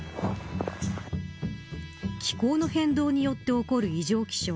気候の変動によって起こる異常気象。